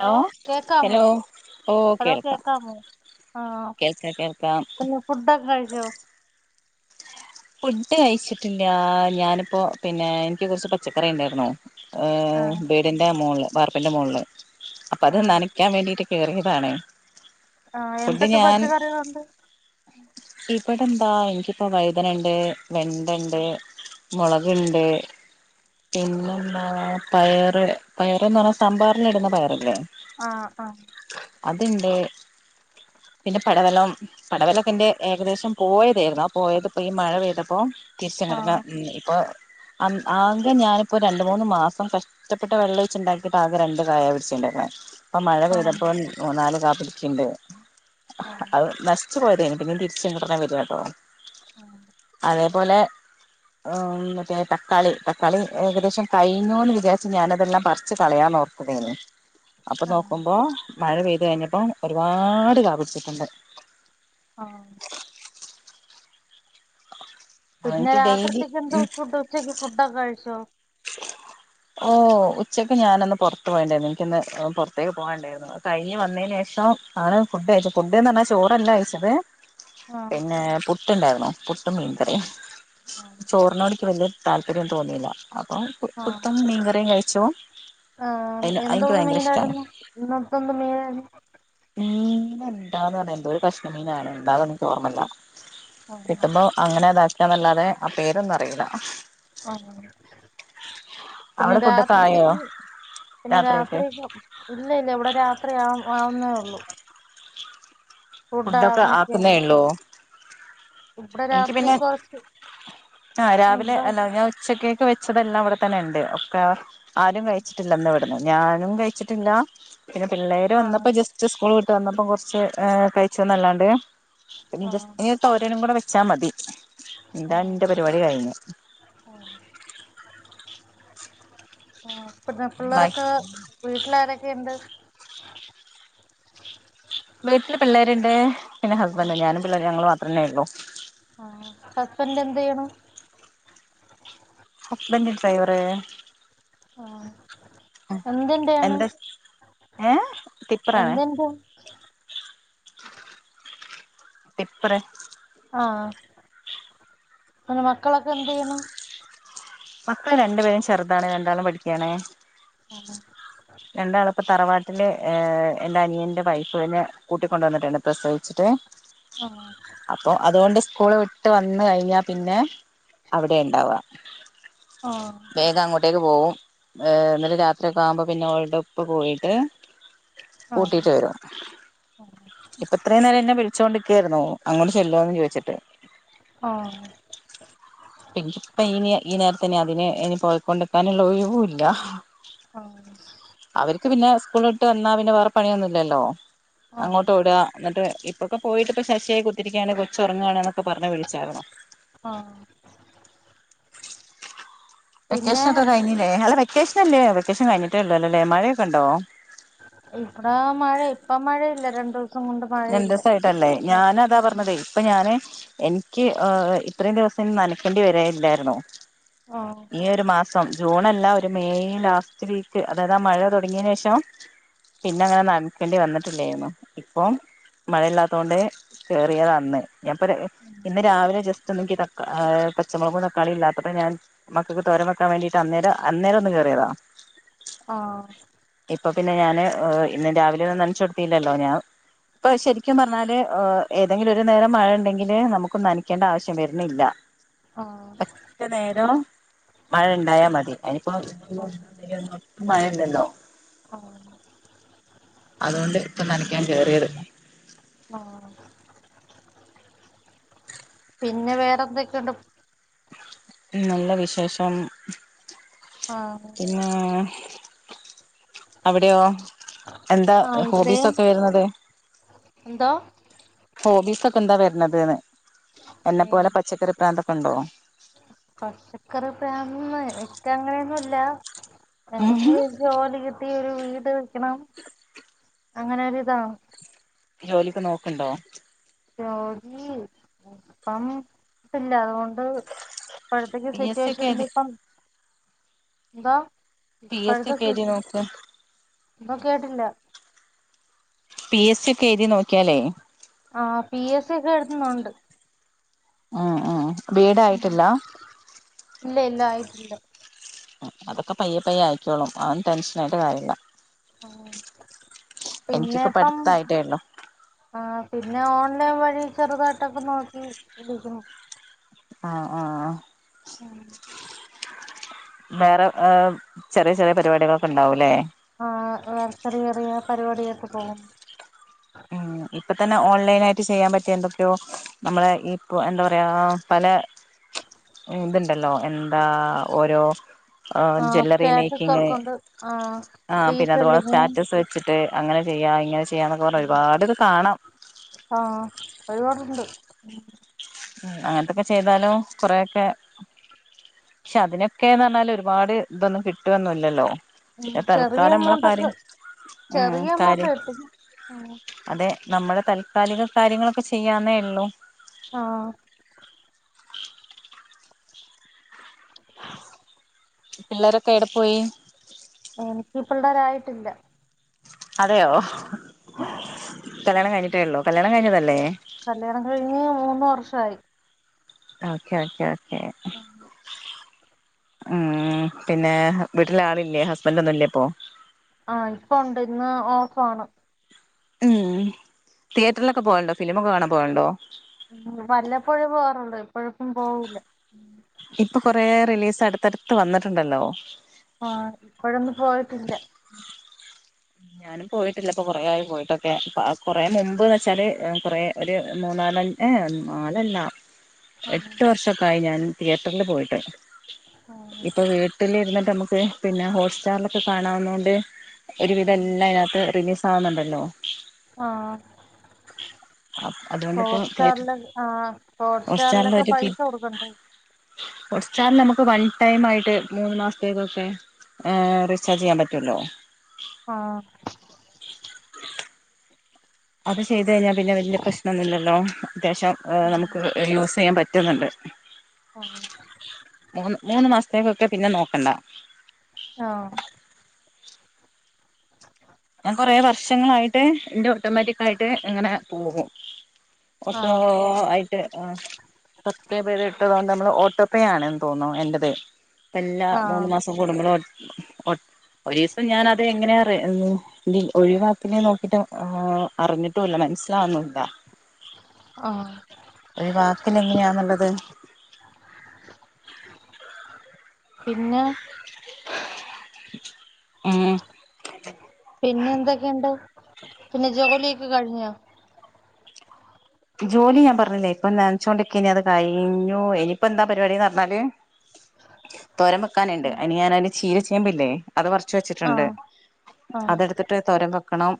Hello hello കേക്കാമോ ഓ hello കേൾക്കാം കേക്കാമോ അഹ് ആഹ് കേൾക്കാം കേൾക്കാം പിന്നെ ഫുഡൊക്കെ കഴിച്ചോ ഫുഡ് കഴിച്ചിട്ടില്ല ഞാനിപ്പോ പിന്നെ എനിക്ക് കുറച്ച് പച്ചക്കറി ഉണ്ടായിര്ന്നോ ഏഹ് ആഹ് ബീടിന്റെ മോൾള് വാർപ്പിന്റെ മോൾള് അപ്പൊ അത് ആഹ് നനക്കാൻ വേണ്ടിട്ട് കേറിയതാണ് ആഹ് ഫുഡ് എന്തൊക്കെ ഞാൻ പച്ചക്കറികളൊണ്ട് പെന്താ എനിക്കിപ്പോ വൈതനണ്ട് വെണ്ടണ്ട് മുളക്ണ്ട് പിന്നെന്താ പയറ് പയർന്ന് പറഞ്ഞാ സാമ്പാറിന് ഇടുന്ന പയറല്ലേ ആഹ് ആഹ് അത്ണ്ട് പിന്നെ പടവലം പടവലക്കെന്റെ ഏകദേശം പോവേചെതതാ ആ പോയത് ഇപ്പൊ ഈ മഴ പെയ്തപ്പോ തിരിച്ങ്‌നകാ ആഹ് ഇപ്പൊ അന് ആകെ ഞാനിപ്പോ രണ്ട് മൂന്ന് മാസം കഷ്ടപ്പെട്ട വെള്ളഴിച്ച് ണ്ടാക്കിയിട്ട് ആകെ രണ്ട് കായ പിടിച്ചിണ്ട് [unintelligible] പ്പം മഴ ആഹ് പെയ്തപ്പോം ഊന്നാല് കാ പ്പിടിക്ണ്ട് ആഹ് അത് നശിച്ചു പോയതേനി പിന്നെ തിരിച്ചു അങ്ങോട്ടെന്നേ വരാട്ടോ അതേപോലെ ഓം മറ്റേ തക്കാളി തക്കാളി ഏകദേശം കഴിഞ്ഞുന്ന് വിചാരിച്ച് ഞാാനതെല്ലാം പറിച്ച് കളയാം നോക്കുമ്പയന്നെ അപ്പൊ ആഹ് നോക്കുമ്പോ മഴ പെയ്ത് കഴിഞ്ഞപ്പം ഒരുപാട് കാ പിടിച്ചിട്ടുണ്ട് ആഹ് പിന്നെ അതെനിക്ക് ഡെയിലി രാത്രിത്തേക്ക് എന്തോ ഉം ഫുഡ് ഉച്ചക്ക് ഫുഡൊക്കെ കഴിച്ചോ ഓ ഉച്ചയ്ക്ക് ഞാനൊന്ന് പൊറത്ത് പോയേണ്ടായിരുന്നു. ഇൻക്ക്ന്ന് പൊറത്തേക്ക് പോആണ്ടായിരുന്നു. അത് കഴിഞ്ഞ് വന്നേനേഷം [inaudible] ആണ് ഫുഡ് കഴിച്ചു. ഫുഡ്ന്ന് പറഞ്ഞാ ചോറല്ല കഴി ച്ചത് ആഹ് പിന്നെ പുട്ടുണ്ടാര്ന്നു. പുട്ടും ആഹ് മീൻകറിം ആഹ് ചോറിനോടക്ക് വല്യ. താല്പര്യം തോന്നിയില്ല അപ്പൊ ആഹ് കുത്തം മീൻകറിം കഴിച്ചു ആഹ്. അതിന് എനിക്ക് എന്തോന്ന് ഭയങ്കര ഇഷ്ടമാണ് മീനാര്ന്നു. ഇന്ന്പ്പം എന്ത് മീനായിര്ന്നു ഇന്ന് എന്താന്ന് പറഞ്ഞ [unintelligible] എന്തോ ഒരു കഷ്ണമീനാണ് എന്താന്നൊന്നും എനിക്ക് ഓർമല്ല. കിട്ടുമ്പോ അങ്ങനെ [unintelligible] [unintelligible] നല്ലാതെ ആഹ് പേരൊന്നും അറീല്ല ആഹ്. പിന്നെ അവിടെ ഫുഡൊക്കെ ആയോ രാത്രിത്തേക്ക് പിന്നെ രാത്രിയൊക്കെ രാത്രി ഇപ്പ ഇല്ല ഇല്ല ഇവിടെ രാത്രി ആ ആവുന്നേ ഒള്ളു ഫുഡ ഫുഡൊക്കെ ആക്കുന്നേ [unintelligible] ഉള്ളൂ എനിക്ക് പിന്നെ കൊറച്ച് ആഹ് രാവിലെ അല്ല ഞാൻ ഉച്ചക്കേക്ക് വെച്ചതെല്ലാം ഇവടെ ത്തന്നെ ഇണ്ട്. ഒക്കെ ആരും കഴിച്ചിട്ടില്ലന്ന് ഇവിടന്ന് ഞാനും കഴിച്ചിട്ടില്ല പിന്നെ പിള്ളേര് വന്നപ്പോ ആഹ് ജസ്റ്റ് സ്കൂൾ വിട്ട് വന്നപ്പോ കൊറ്ച്ച് കഴിചൊന്നല്ലാണ്ട് പിന്നെ ആഹ് ജസ്റ്റ് തോരനും കൂടെ [unintelligible] ച്ചാ മതി. ഇന്താ ആഹ് ഇന്റെ പരിപാടി കഴിഞ്ഞു ആഹ് പിന്നെ ബാക്കി പിള്ളാരൊക്കെ വീട്ടിലാരൊക്കെ ഇണ്ട് വീട്ടില് പിള്ളേര്ണ്ട്. പിന്നെ ഹസ്ബന്റു ഞാനും പിള്ളേര് ഞങ്ങള് മാത്രന്നെ ഉള്ളു ആഹ് ഹസ്ബൻഡ് എന്തെയ്യുണു ബെ [unintelligible] ഡ്രവറ് ആഹ് എന്ത് ഇണ്ട് അറ്ഞ്ഞു. എന്താ ഏഹ് ടിപ്പറാണ് എന്ത്ൻ്റെ [inaudible] ടിപ്പറെ ആഹ് പിന്നെ മക്കളൊക്കെ എന്തെയ്യണ്? മക്കള് രണ്ടു പേരും ചെറുതാണ് രണ്ടാളും പഠിക്കാണ്. ആഹ്. രണ്ടാളും ഇപ്പോ തറവാട്ട് എൻ്റെ അനിയൻ്റെ വൈഫ് നെ കൂട്ടിക്കൊണ്ട് വന്നിട്ടുണ്ട് പ്രസവിച്ചിട്ട് ആഹ് അപ്പൊ അതുകൊണ്ട് സ്കൂള് വിട്ട് വന്ന് കഴിഞ്ഞാ പിന്നെ അവിടെ ഇണ്ടാവ ആഹ് വേഗം അങ്ങോട്ടേക്ക് പോവും. എന്നിട്ട് രാത്രിയൊക്കെ ആവുമ്പോ പിന്നെ ഓളുടെ ഉപ്പ പോയിട്ട് ആഹ് കൂട്ടിട്ട് വരും. ഇപ്പൊ ഇത്രയും നേരം എന്നെ വിളിച്ചോണ്ടിക്കായിരുന്നു അങ്ങോട്ട് ചെല്ലോന്ന് ചോയിച്ചിട്ട്. ആഹ്. പിന്നെ ഇപ്പ ഇങ്ങനെയാ ഈ നേരത്തെന്നെ അതിനെ ഇനി പോയിക്കോണ്ടിക്കാനുള്ള ഒഴിവൂല്ല. ആഹ് അവർക്ക് പിന്നെ സ്കൂളിട്ട് വന്നാ പിന്നെ വേറെ പണിയൊന്നുല്ലല്ലോ. അങ്ങോട്ട് ആഹ് വിട എന്നിട്ട് ഇപ്പൊക്കെ പോയിട്ട് ഇപ്പോ ശശിയായി കുത്തിരിക്കയാണ് കൊച്ചു ഉറങ്ങുവാണ് എന്നൊക്കെ പറഞ്ഞ് വിളിച്ചാരുന്നു. ആഹ്. വെക്കേഷൻ പിന്നെ ഒക്കെ കഴിഞ്ഞില്ലേ അല്ല വെക്കേഷൻ അല്ലേ വെക്കേഷൻ കഴിഞ്ഞിട്ടേ ഉള്ളു അല്ലെ ല്ലേ മഴയൊക്കെ ഉണ്ടോ? ഇവടേ മഴ ഇപ്പ മഴയില്ല രണ്ടു ദിവസം കൊണ്ട് മഴയില്ല. രണ്ടൂസ ആയിട്ട് അല്ലേ ഉം ഞാനതാ പറഞ്ഞത് ഇപ്പോ ഞാന് എനിക്ക് ആ അ ഇത്രയും ദിവസം നനക്കേണ്ടി വരെ ഇല്ലായിരുന്നു. ആഹ് ഈ ഒരു മാസം. ജൂണല്ല ഒരു മെയ് ലാസ്റ്റ് വീക്ക് അതായത് ആ മഴ തുടങ്ങിയന് ശേഷം. പിന്നെ അങ്ങനെ നനക്കേണ്ടി വന്നിട്ടില്ലായിരുന്നു. ഇപ്പോ മഴയില്ലത്തോണ്ട് കേറിയതാ അന്ന് ഞ [unintelligible] പ്പോ ഇന്ന് രാവിലെ ജസ് ഏ പച്ചമുളകും തക്കാളിം ഇല്ലാത്തപ്പോ ഞാൻ മക്കക്ക് തോരൻ വെക്കാൻ വേണ്ടിട്ട് അന്നേരം അന്നേരം ഒന്ന് കേ [unintelligible] ആ അപ്പൊ പിന്നെ ഞാന് ഇന്ന് രാവിലെ ഒന്നും നനച്ചൊട്ത്തീല്ലല്ലോ ഞാൻ ഇപ്പൊ ശരിക്കും പറഞ്ഞാല് ഏ ഏതെങ്കിലും ഒരു നേരം മഴ ഉണ്ടെങ്കില് നമുക്ക് നനക്കേണ്ട ആവശ്യം വരുന്നില്ല. ആഹ് എത്ര നേരം മഴണ്ടായാ മതി, അയിനിപ്പോ ആഹ് മഴ ഉണ്ടല്ലോ. [inaudible] അതുകൊണ്ട് ഇപ്പൊ നനക്കാൻ കേറിയത്. ആ പിന്നെ വേണം എന്തൊക്കെണ്ട് ഉം നല്ല വിശേഷം. ആ പിന്നേ അവിടെയോ? എന്താ ആ ഹോബീസ് ഇവിടെയും ഒക്കെ വരുന്നത്? എന്തോ ഹോബീസ് ഒക്കെ എന്താ വര്ന്നത് ന്ന് ഉം എന്നെപ്പോലെ പച്ചക്കറി പ്രാന്തൊക്കെ ഉണ്ടോ? പച്ചക്കറി പ്രാന്ത് എനിക്ക് അങ്ങനെയൊന്നുല്ല എങ്ങനേലും ജോലി കിട്ടി ഒരു വീട് വെക്കണം അങ്ങനെ ഒരിതാ ജോലിക്ക് നോക്ക്ണ്ടോ? ജോലി ഇപ്പം ഇല്ല അതുകൊ ഇപ്പഴത്തേക്ക്‌ പി എസ് സി ഒക്കെ സിറ്റുവേഷനില് എഴുതി ഇപ്പം എന്താ? പി എസ് സി ഇപ്പോഴത്തെ ഒക്കെ കു എഴുതി നോക്ക് എന്തോ കേട്ടില്ല പി എസ് സി ഒക്കെ എഴുതി നോക്കിയാലേ ആ ഉണ്ട്. ഉം ഉം വീടായിട്ടില്ലാ? ഇല്ല ആയിട്ടില്ല ഇല്ല. അതൊക്കെ പയ്യെ പയ്യെ ആയിക്കോളും. അതൊന്നും ടെൻഷൻ ആയിട്ട് കാര്യല്ല ആ പിന്നെ എനിക്കൊക്കെ ഇപ്പം പഠിത്തായിട്ടേ ഉള്ളു ആ പിന്നെ ഓൺലൈൻ വഴി ചെറുതായിട്ടൊക്കെ നോക്കി വിളിക്ക [unintelligible] ആആ ഉം വേറെ ഏഹ് ചെറിയ ചെറിയ പരിപാടികളൊക്കെ ഉണ്ടാവൂല്ലേ ആഹ് വേറെ ചെറിയ ചെറിയ പരിപാടിയായിട്ട് പോകുന്നു ഇപ്പം തന്നെ ഓൺലൈൻ ആയിട്ട് ചെയ്യാൻ പറ്റിയ എന്തൊക്കെയോ നമ്മള് ഇപ്പോ എന്താ പറയാ പല ഇതുണ്ടല്ലോ എന്താ ഓരോ ആ ആഹ് ജ്വല്ലറി സ്റ്റാറ്റസ് മേക്കിങ്. വർക്കുണ്ട് ആഹ് ആഹ് പിന്നെ അതുപോലെ റീസെല്ലിങ് സ്റ്റാറ്റസ് വെച്ചിട്ട് അങ്ങനെ ചെയ്യാ ഇങ്ങനെ ചെ ഒരുപാട് ഇത് കാണും. ആഹ് [inaudible] ഉം അങ്ങനത്തൊക്കെ ചെയ്താലും കൊറേയൊക്കെ പക്ഷെ അതിനൊക്കേന്ന് പറഞ്ഞാൽ ഒരുപാട് ഇതൊന്നും കിട്ടുവൊന്നുല്ലല്ലോ. ഉം പിന്നെ ചെറിയ തൽക്കാലം നമ്മളെ എമൗണ്ടൊക്കെ കാര്യം ഉം ചെറിയ എമൗണ്ട് കാര്യം കിട്ടും ഉം അതെ നമ്മുടെ തൽക്കാലിക കാര്യങ്ങളൊക്കെ ചെയ്യാന്നേ ഉള്ളൂ. ആഹ് പിള്ളേരൊക്കെ എവിടെ പോയീ? എനിക്ക് [unintelligible] അതെയോ [inaudible] കല്യാണം കഴിഞ്ഞിട്ടേ ഉള്ളോ, കല്യാണം കഴിഞ്ഞതല്ലേ? കല്യാണം കഴിഞ്ഞ് മൂന്ന് വർഷായി ഓക്കെ ഓക്കെ ഓ [unintelligible] ഉം പിന്നെ വീട്ടില് ആളില്ലേ ഹസ്ബൻഡ് ഒന്നും ഇല്ലേ ഇപ്പോ ആഹ് ഇപ്പോണ്ട് ഇന്ന് ഓഫാണ് ഉം തിയേറ്ററിലൊക്കെ പോകലോണ്ടോ ഫിലിമൊക്കെ കാണാൻ പോകലോണ്ടോ വല്ലപ്പോഴേ പോവാറുള്ളൂ എപ്പോഴും ഏപ്പും പോവൂല്ല ഉം ഇപ്പോ കൊറേ റിലീസ് അടുത്തടുത്ത് വന്നിട്ടുണ്ടല്ലോ ആഹ് ഇപ്പോഴൊന്നും പോയിട്ടില്ല ഞാനും പോയിട്ടില്ല ഇപ്പോ കൊറേ ആയി പോയിട്ടൊക്കെ കൊറേ മുമ്പ്ന്ന് വെച്ചാല് കൊറെ ഒരു മൂന്നാല് [unintelligible] നാലല്ല ആഹ് എട്ട് വർഷക്കായി ഞാൻ തിയറ്ററിൽ പോയിട്ട് ആഹ് ഇപ്പ വീട്ടിലിരുന്നിട്ട് നമ്മ ക്ക് പിന്നെ ഹോട്ട്സ്റ്റാറിലൊക്കെ കാണാവുന്ന കൊണ്ട് ഒരു വിധം എല്ലാം ഇതിനകത്ത് റിലീസ് ആവുന്നുണ്ടല്ലോ ആഹ് അതുകൊണ്ടിപ്പോ തിയേറ്റർ ഹോട്ട്സ്റ്റാറില് ആഹ് ഹോട്ട്സ്റ്റാറിലൊക്കെ പൈസ കൊടുക്കണ്ടേ? ഹോട്ട്സ്റ്റാറില് നമുക്ക് വൺ ടൈം ആയിട്ട് മൂന്ന് മാസത്തേക്കൊക്കെ ഏഹ് റീചാർജ് ചെയ്യാൻ പറ്റുലോ ആഹ് അത് ചെയ്ത് കഴിഞ്ഞാ പിന്നെ വല്യ പ്രശ്നം ഒന്നുവില്ലല്ലോ അത്യാവശ്യം നമുക്ക് യൂസ് ചെയ്യാൻ പ റ്റുന്നോണ്ട് ആഹ് മൂന്ന് മാസത്തേക്കൊക്കെ പിന്നെ നോക്കണ്ട ആഹ് ഞാൻ കൊറേ വർഷങ്ങളായിട്ട് എന്റെ ഓട്ടോമാറ്റിക് ആയിട്ട് ഇങ്ങനെ പോകും ഓട്ടോ ആഹ് ആയിട്ട് സബ്സ്ക്രൈബ് ചെയ്യ്തിട്ടാതൊ നമ്മള് ഓട്ടോ പേ ആണെന്ന് തോന്നണു എന്റത് എല്ലാ മൂന്ന് ആഹ് മാസം കൂടുമ്പോളും ഒട്ട് ഒരു ഇസം ഞാനത് എങ്ങനെയാ റെ ഇ ഒഴിവാക്കിലേ നോക്കിട്ടു അറിഞ്ഞിട്ടുല്ല മനസ്സിലാവ്ന്നുല്ല ആഹ് ഒരു വാക്കില എങ്ങെനാന്ന്ള്ളത് പിന്നെ ഉം പിന്നെ എന്തൊക്കെണ്ട്. പിന്നെ ജോലി ക്കെ കഴിഞ്ഞ്യ ജോലി ഞാൻ പറഞ്ഞില്ലേ. ഇപ്പം നനച്ചോണ്ടിക്കേനി. അത് കഴിഞ്ഞൂ. എനിപ്പെന്താ പരിപാടിന്ന് പറഞ്ഞാല് തോരം വെക്കാന്ണ്ട് അയ്നി ഞാൻ അയ്ന് ചീര ചേമ്പ്‌ല്ലേ അത് പറച്ച് വെച്ചിട്ട്ണ്ട്. ആഹ് ആഹ് അതെടുത്തിട്ട് തോരം വെക്കണം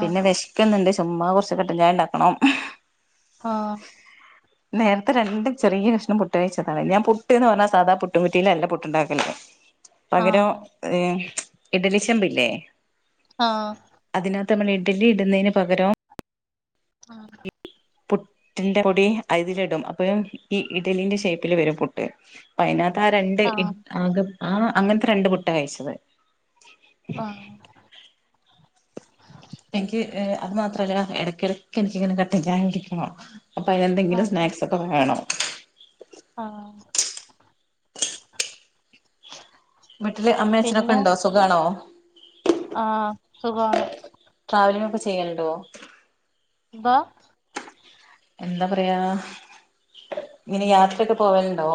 പിന്നെ വെശ്ക്ക്ന്ന്ണ്ട്. ചുമ്മാ കൊറ്ച്ച് കട്ട ചായ ഇണ്ടാക്കണം ആഹ് നേര്ത്തെ രണ്ട് ചെറ്യേ കഷ്ണം പുട്ട്കഴിച്ചതാണ്. ഞാൻ പുട്ട്ന്ന് പറ്ഞ്ഞാ സാധാ പുട്ടും കുറ്റിയിലല്ല പുട്ട് ഇണ്ടാക്കല് പകരം ആഹ് ഇഡ്ലി ചെമ്പ് ഇല്ലേ ആഹ് ത്യം പറ്ന്ന ഇഡലി ഇടുന്നെയ്ന് പകരം ആഹ് പുട്ടിന്റെ പൊടി അതിലി ഇടും. അപ്പൊ ഈ ഇഡലിന്റെ ഷേയ്പ്പില് വെരും പുട്ട് അ അതിനകത്ത് അഹ ആഹ് രണ്ട് അങ്ങൻത്തെ രണ്ട്പുട്ട കഴിച്ചത് ആഹ് എനിക്ക് അത് മാത്രല്ല എടക്കിടക്ക് എനിക്കിങ്ങനെ കട്ട ചായൊടിക്കണം അപ്പ അയ്നെന്തെങ്കിലും ആഹ് സ്നാക്സൊ ക്കെ വേണം ആഹ് വീട്ടില് അമ്മ അച്ഛനൊക്കെ പിന്നെ ഇണ്ടോ സുഖാണോ ആഹ് സുഖാണ് ട്രാവലിങ്ങൊക്കെ ചെയ്യല് ഇണ്ടോ ബാ- എന്താ പറയാ ഇങ്ങനെ യാത്രയൊക്കെ പോവലുണ്ടോ?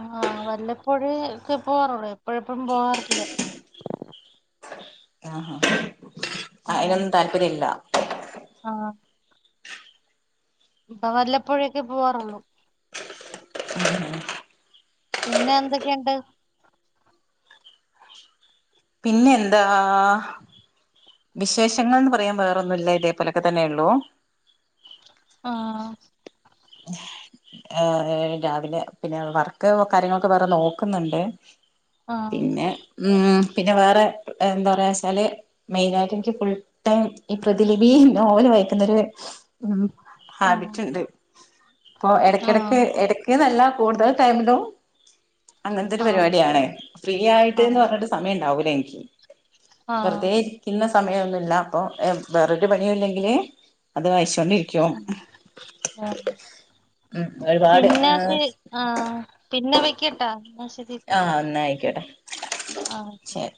ആഹ് വല്ലപ്പോഴ് ക്കെ പോവാറുള്ളൂ എപ്പോഴെപ്പോഴും പോവാറില്ല- ആഹ്ഹാ ആഹ് അയിനൊന്നും താല്പര്യല്ലാ- ഇപ്പൊ വല്ലപ്പഴൊക്കെ പോവാറുള്ളു- [inaudible] പിന്നെ എന്തൊക്കെയുണ്ട്- പിന്നെന്താ- വിശേഷങ്ങൾന്ന് പറയാൻ വേറെന്നുല്ല ഇതേപോലെക്കെ തന്നെള്ളൂ- ആഹ് - [unintelligible] ഏഹ് രാവിലെ പിന്നെ വർക്ക് കാര്യങ്ങളൊക്കെ വേറെ നോക്കുന്നുണ്ട്- ആഹ് പിന്നെ ഉം പിന്നെ വേറെ എന്താ പറയാ വെച്ചാല്- മെയിന ആയിട്ട് എനിക്ക് ഫുൾ ടൈം ഈ പ്രതിലിപി നോവല് വായിക്കുന്നൊര്- ആഹ് ഹാബിറ്റ് ഉണ്ട് അപ്പൊ എടക്കെടക്ക് ആഹ് എടക്ക്ന്നല്ല- കൂടുതൽ ടൈമിലും- അങ്ങനത്തെ ഒരു ആഹ് പരിപാടിയാണ് ഫ്രീ ആയിട്ട് ന്ന് ആഹ് പറഞ്ഞിട്ട് സമയം ഉണ്ടാവൂലെനിക്ക്- ആഹ് വെറുതെ ഇരിക്കുന്ന സമയമൊന്നുമില്ല അപ്പൊ വേറൊരു പണിയും ഇല്ലെങ്കില്- അത് വായിച്ചോണ്ട് ഇരിക്കും- ആഹ് ഉം ഒരുപാട് - പിന്നെ ശരി ആഹ് പിന്നെ വെക്കട്ടാ എന്നാ ശരി ആഹ് എന്നായിക്കോട്ടെ ആഹ് ശരി-